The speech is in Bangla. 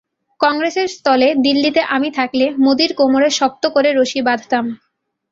কংগ্রেসের স্থলে দিল্লিতে আমি থাকলে, মোদির কোমরে শক্ত করে রশি বাঁধতাম।